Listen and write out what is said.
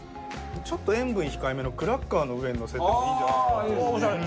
ちょっと塩分控えめのクラッカーの上にのせてもいいんじゃないですか？